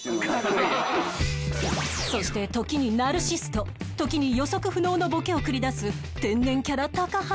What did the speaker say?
そして時にナルシスト時に予測不能のボケを繰り出す天然キャラ高橋が